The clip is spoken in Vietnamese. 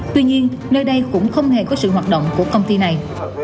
tuy nhiên nơi đây cũng không hề có sự hoạt động của công ty này